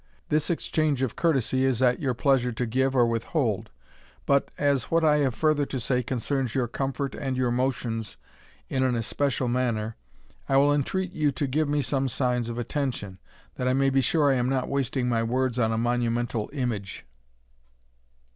This exchange of courtesy is at your pleasure to give or withhold But, as what I have further to say concerns your comfort and your motions in an especial manner, I will entreat you to give me some signs of attention, that I may be sure I am not wasting my words on a monumental image."